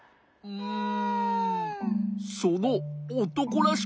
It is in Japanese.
うん。